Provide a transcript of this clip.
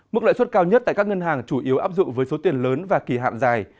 mức lãi suất cao nhất tại các ngân hàng chủ yếu áp dụng với số tiền lớn và kỳ hạn dài